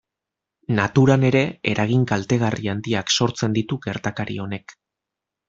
Naturan ere eragin kaltegarri handiak sortzen ditu gertakari honek.